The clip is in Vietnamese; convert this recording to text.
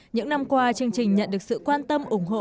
những năm qua chương trình nhận được sự quan tâm ủng hộ